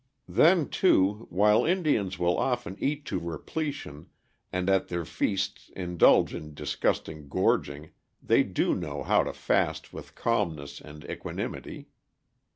Then, too, while Indians will often eat to repletion, and at their feasts indulge in disgusting gorging, they do know how to fast with calmness and equanimity.